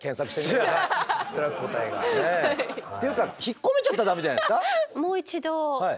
答えが。っていうか引っ込めちゃったらダメじゃないですか。